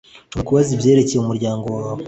Nshobora kubaza ibyerekeye umuryango wawe